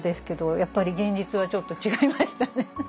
やっぱり現実はちょっと違いましたね。